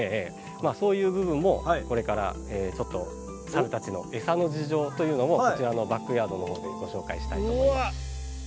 そういう部分もこれからちょっとサルたちのエサの事情というのもこちらのバックヤードのほうでご紹介したいと思います。